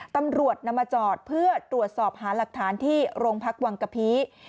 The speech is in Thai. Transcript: ตำรวจนำมาจอดเพื่อตรวจสอบหาหลักฐานที่โรงพักวังกะพี